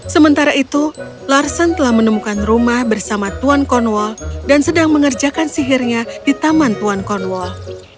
sementara itu larsen telah menemukan rumah bersama tuan cornwall dan sedang mengerjakan sihirnya di taman tuan cornwall